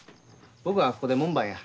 僕はここで門番や。